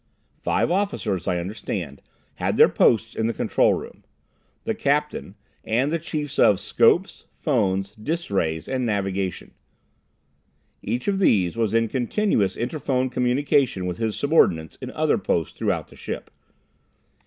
Five officers, I understand, had their posts in the control room; the captain, and the chiefs of scopes, phones, dis rays and navigation. Each of these was in continuous interphone communication with his subordinates in other posts throughout the ship.